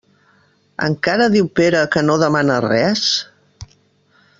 Encara diu Pere que no demana res?